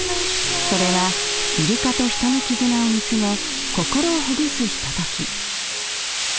［それはイルカと人の絆を見詰め心をほぐすひととき］